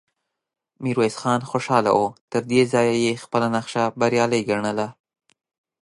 ميرويس خان خوشاله و، تر دې ځايه يې خپله نخشه بريالی ګڼله،